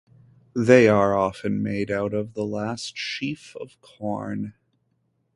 They are often made out of the last sheaf of corn.